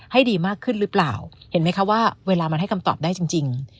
ให้ดีมากขึ้นหรือเปล่าเห็นไหมคะว่าเวลามันให้คำตอบได้จริง